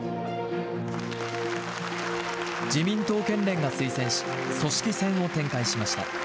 自民党県連が推薦し、組織戦を展開しました。